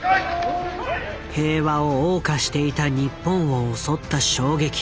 平和を謳歌していた日本を襲った衝撃。